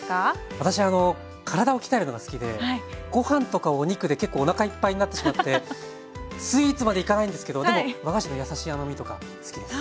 私体を鍛えるのが好きでご飯とかお肉で結構おなかいっぱいになってしまってスイーツまでいかないんですけどでも和菓子の優しい甘みとか好きです。